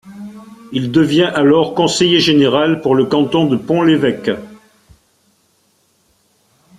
Il devient alors conseiller général pour le canton de Pont-l'Évêque.